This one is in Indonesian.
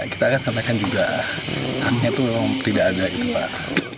kita akan sampaikan juga haknya itu memang tidak ada gitu pak